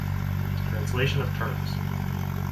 Translation of terms